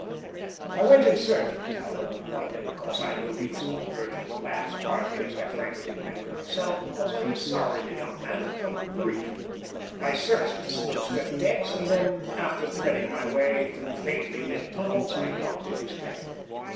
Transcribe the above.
I went in search of Talbot; partly because I knew he was on the verge of a collapse, partly, as I frankly admitted to myself, because I was sorry the young man had come to grief. I searched the snow swept decks, and then, after threading my way through faintly lit tunnels, I knocked at his cabin.